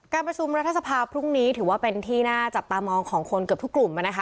การประชุมรัฐสภาพรุ่งนี้ถือว่าเป็นที่น่าจับตามองของคนเกือบทุกกลุ่มนะคะ